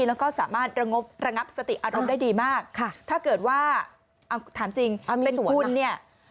แล้วก็สามารถระงบระงับสติอารมณ์ได้ดีมากถ้าเกิดว่าเอาถามจริงเป็นคุณเนี่ย